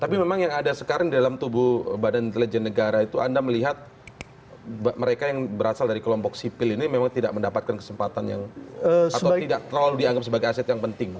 tapi memang yang ada sekarang dalam tubuh badan intelijen negara itu anda melihat mereka yang berasal dari kelompok sipil ini memang tidak mendapatkan kesempatan yang atau tidak terlalu dianggap sebagai aset yang penting